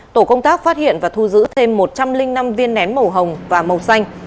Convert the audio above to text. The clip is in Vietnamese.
tổ công tác phát hiện và thu giữ thêm một trăm linh năm viên nén màu hồng và màu xanh